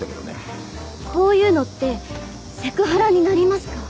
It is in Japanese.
こういうのってセクハラになりますか？